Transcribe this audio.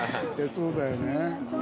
そうだよね。